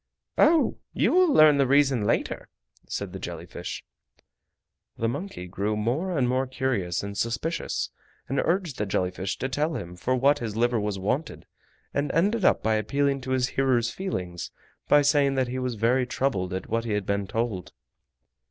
"Oh! you will learn the reason later," said the jelly fish. The monkey grew more and more curious and suspicious, and urged the jelly fish to tell him for what his liver was wanted, and ended up by appealing to his hearer's feelings by saying that he was very troubled at what he had been told.